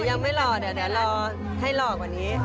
อย่างไม่หล่อเดี๋ยวเราก็ให้หลอกกว่านี้